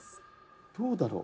「どうだろう？